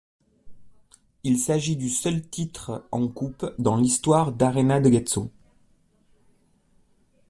Il s'agit du seul titre en Coupe dans l'histoire d'Arenas de Getxo.